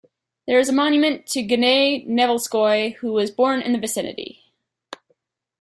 There is a monument to Gennady Nevelskoy, who was born in the vicinity.